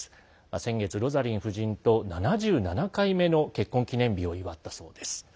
先月、ロザリン夫人と７７回目の結婚記念日を祝ったそうです。